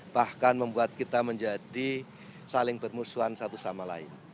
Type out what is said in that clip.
bahkan membuat kita menjadi saling bermusuhan satu sama lain